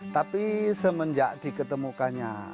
tapi semenjak diketemukannya